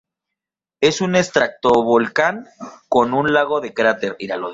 Es un estratovolcán con un lago de cráter.